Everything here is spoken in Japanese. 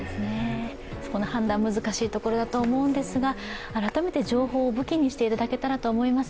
判断難しいところだと思うんですが改めて情報を武器にしていただけたらと思います。